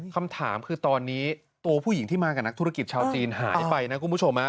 คำถามคือตอนนี้ตัวผู้หญิงที่มากับนักธุรกิจชาวจีนหายไปนะคุณผู้ชม